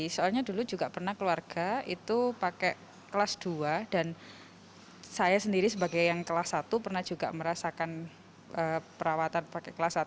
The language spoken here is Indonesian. soalnya dulu juga pernah keluarga itu pakai kelas dua dan saya sendiri sebagai yang kelas satu pernah juga merasakan perawatan pakai kelas satu